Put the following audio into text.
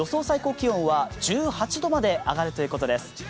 最高気温は１８度まで上がるということです。